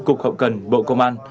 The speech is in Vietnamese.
cục hậu cần bộ công an